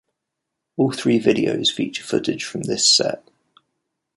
All three videos feature footage from this set.